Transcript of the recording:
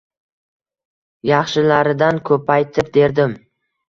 Yaxshilaridan ko‘paytir, derdim.